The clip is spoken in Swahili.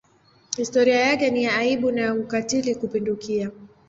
Historia yake ni ya aibu na ya ukatili kupindukia.